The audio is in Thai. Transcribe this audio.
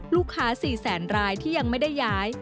ลูกค้า๔แสนรายที่ยังไม่ได้ย้าย